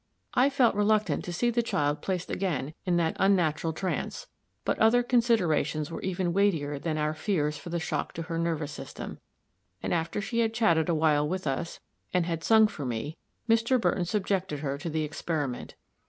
I felt reluctant to see the child placed again in that unnatural trance; but other considerations were even weightier than our fears for the shock to her nervous system; and after she had chatted a while with us, and had sung for me, Mr. Burton subjected her to the experiment.